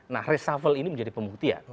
nah reshuffle ini menjadi pembuktian